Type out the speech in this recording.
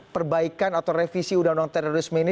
perbaikan atau revisi undang undang terorisme ini